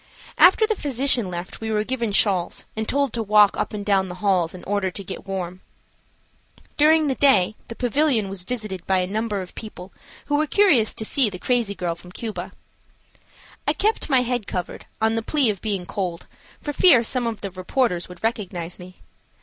After the physician left we were given shawls and told to walk up and down the halls in order to get warm. During the day the pavilion was visited by a number of people who were curious to see the crazy girl from Cuba. I kept my head covered, on the plea of being cold, for fear some of the reporters would recognize me.